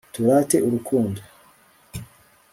turate urukundo